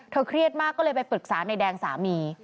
เครียดมากก็เลยไปปรึกษานายแดงสามี